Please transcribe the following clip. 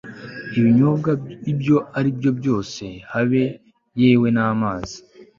ibinyobwa ibyo ari byo byose, habe yewe n'amazi